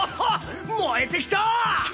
燃えてきたー！